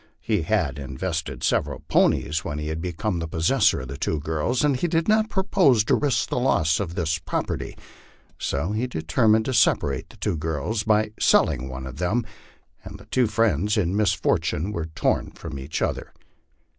He had invested several ponies when he became the possessor of the two girls, and he did not propose to risk the loss of this property. So he determined to separate the two girls by selling one of them ; and the two friends in misfortune were torn from each other.